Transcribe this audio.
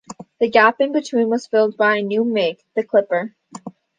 The gap in between was filled by a new make, the Clipper.